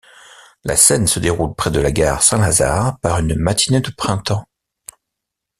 La scène se déroule près de la gare Saint-Lazare par une matinée de printemps.